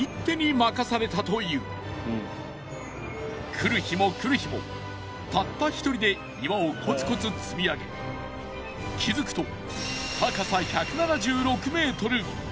来る日も来る日もたった１人で岩をコツコツ積み上げ気付くと高さ１７６ｍ。